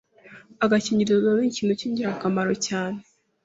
Agakingirizo nikintu cyingira kamaro cyane